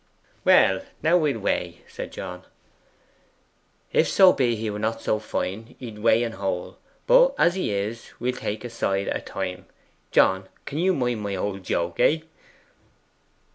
'Well, now we'll weigh,' said John. 'If so be he were not so fine, we'd weigh en whole: but as he is, we'll take a side at a time. John, you can mind my old joke, ey?